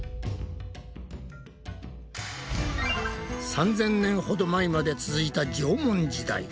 ３，０００年ほど前まで続いた縄文時代。